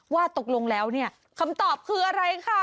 ว่าตกลงแล้วเนี่ยคำตอบคืออะไรค่ะ